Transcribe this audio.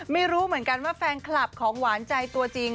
ไม่รู้เหมือนกันว่าแฟนคลับของหวานใจตัวจริง